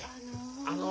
あの。